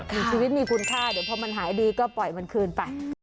มีชีวิตมีคุณค่าเดี๋ยวพอมันหายดีก็ปล่อยมันคืนไป